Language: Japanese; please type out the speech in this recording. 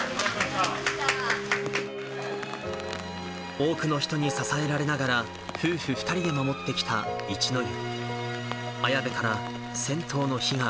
多くの人に支えられながら、夫婦２人で守ってきた一の湯。